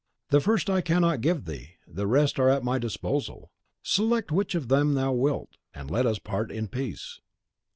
The first I cannot give thee, the rest are at my disposal. Select which of them thou wilt, and let us part in peace."